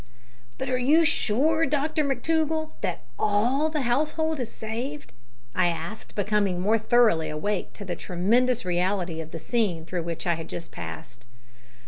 "But are you sure, Dr McTougall, that all the household is saved?" I asked, becoming more thoroughly awake to the tremendous reality of the scene through which I had just passed.